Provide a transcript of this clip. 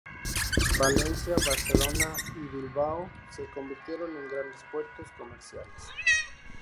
Valencia, Barcelona y Bilbao se convirtieron en grandes puertos comerciales.